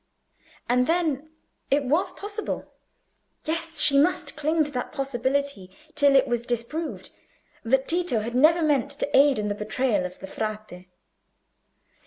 And then, it was possible—yes, she must cling to that possibility till it was disproved—that Tito had never meant to aid in the betrayal of the Frate.